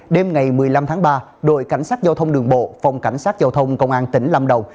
đêm ngày một mươi năm tháng ba đội cảnh sát giao thông đường bộ phòng cảnh sát giao thông công an tỉnh lâm đồng